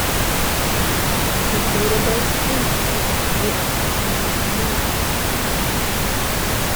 The database engine was written by Thomas Mueller.